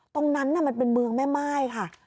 ตรงนั้นน่ะมันเป็นเมืองแม่ไหม้ค่ะ